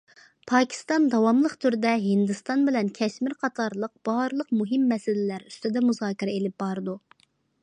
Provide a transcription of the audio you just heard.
پاكىستان داۋاملىق تۈردە ھىندىستان بىلەن كەشمىر قاتارلىق بارلىق مۇھىم مەسىلىلەر ئۈستىدە مۇزاكىرە ئېلىپ بارىدۇ.